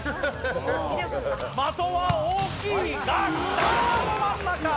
的は大きいが、ど真ん中。